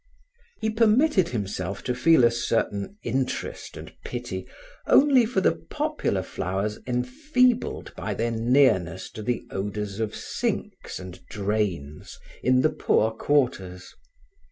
He permitted himself to feel a certain interest and pity only for the popular flowers enfeebled by their nearness to the odors of sinks and drains in the poor quarters.